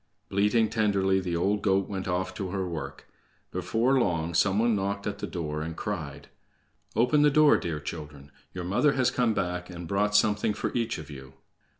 Bleating tenderly, the old goat went off to her work. Before long, some one knocked at the door, and cried: "Open the door, dear children! Your mother has come back and brought something for each of you."